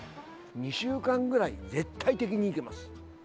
２週間ぐらい絶対的にいけます。